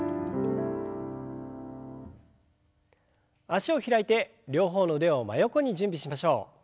脚を開いて両方の腕を真横に準備しましょう。